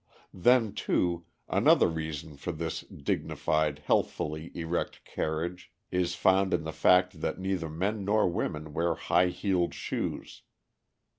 Then, too, another reason for this dignified, healthfully erect carriage is found in the fact that neither men nor women wear high heeled shoes.